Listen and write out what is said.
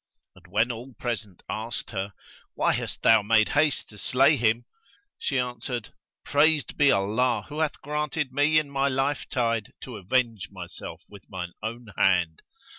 [FN#127] And when all present asked her, 'Why hast thou made haste to slay him;" she answered, "Praised be Allah who hath granted me in my life tide to avenge myself with mine own hand!"